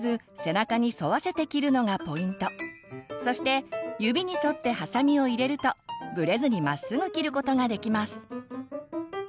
そして指に沿ってハサミを入れるとブレずにまっすぐ切ることができます。